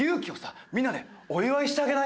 みんなでお祝いしてあげない？